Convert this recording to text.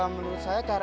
menurut saya kaya